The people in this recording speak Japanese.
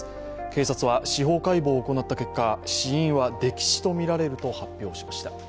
警察は司法解剖を行った結果死因は溺死とみられると発表しました。